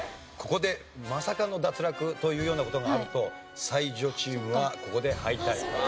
ここでまさかの脱落というような事があると才女チームはここで敗退。